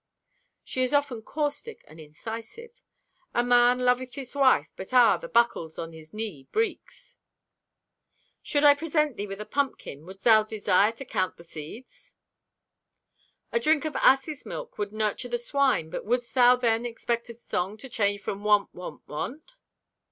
She is often caustic and incisive. "A man loveth his wife, but, ah, the buckles on his knee breeks!" "Should I present thee with a pumpkin, wouldst thou desire to count the seeds?" "A drink of asses' milk would nurture the swine, but wouldst thou then expect his song to change from Want, Want, Want?"